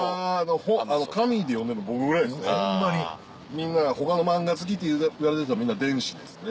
みんな他の漫画好きって言われてる人みんな電子ですね。